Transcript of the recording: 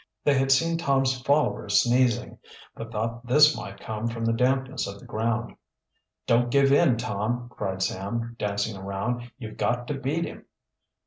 They had seen Tom's followers sneezing, but thought this might come from the dampness of the ground. "Don't give in, Tom!" cried Sam, dancing around. "You've got to beat him!"